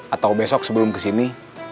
atau besok sebelum kesini